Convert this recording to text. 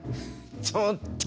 ちょっと！